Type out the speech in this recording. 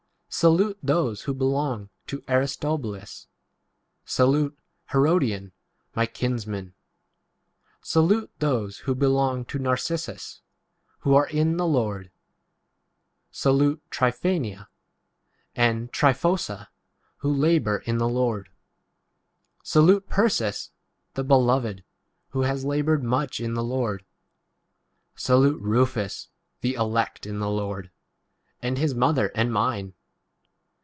Salute those who belong to Aris 11 tobulus. Salute Herodion, my kinsman. Salute those who be long to Narcissus, who are in [the] 12 Lord. Salute Tryphsena and Try phosa, who labour in [the] Lord. Salute Persis, the beloved, who has laboured much in [the] Lord. 13 Salute Rufus, the elect in [the] Lord; and his mother and mine.